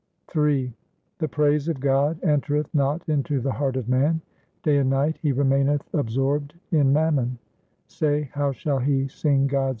Ill The praise of God entereth not into the heart of man ; Day and night he remaineth absorbed in mammon ; say how shall he sing God's praises.